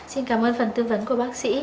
xin cảm ơn phần tư vấn của bác sĩ